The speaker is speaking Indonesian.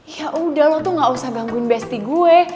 ya udah lo tuh gak usah gangguin besti gue